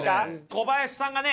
小林さんがね